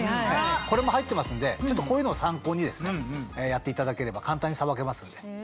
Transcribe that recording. これも入ってますんでこういうのを参考にやっていただければ簡単にさばけますので。